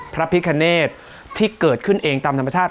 พระพิคเนตที่เกิดขึ้นเองตามธรรมชาติ